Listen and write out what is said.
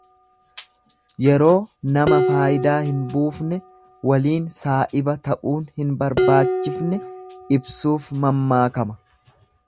Yeroo nama faayidaa hin buufne waliin saa'iba ta'uun hin barbaachifne ibsuuf mammaakama.